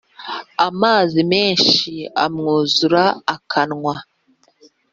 Amazi menshi amwuzura akanwa